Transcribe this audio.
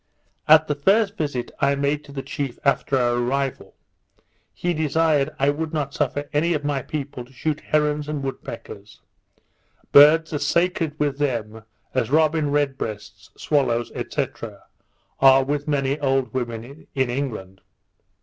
At the first visit I made the chief after our arrival, he desired I would not suffer any of my people to shoot herons and wood peckers; birds as sacred with them as robin red breasts, swallows, &c. are with many old women in England.